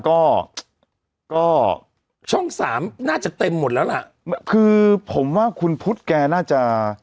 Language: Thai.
ก็ก็ช่องสามน่าจะเต็มหมดแล้วล่ะคือผมว่าคุณพุทธแกน่าจะ